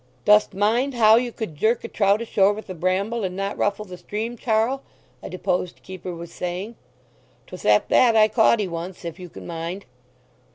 "Dost mind how you could jerk a trout ashore with a bramble, and not ruffle the stream, Charl?" a deposed keeper was saying. "'Twas at that I caught 'ee once, if you can mind?"